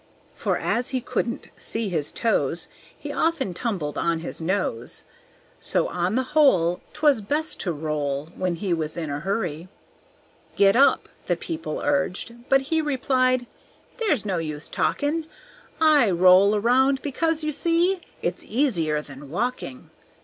For as he couldn't see his toes, He often tumbled on his nose; So, on the whole, 'Twas best to roll When he was in a hurry. "Get up!" the people urged, but he Replied, "There's no use talking; I roll around because, you see, It's easier than walking."